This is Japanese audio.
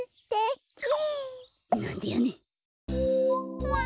なんでやねん！